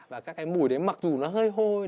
và các cái mùi đấy mặc dù nó hơi hôi